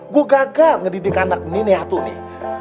gue gagal ngedidik anak ini nih atuh nih